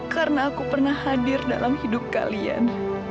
karena aku pernah hadir dalam hidup kalian